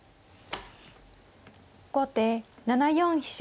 後手７四飛車。